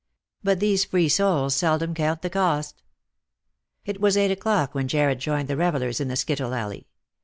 But these free souls seldom count the cost. It was eight o'clock when Jarred joined the revellers in the skittle alley.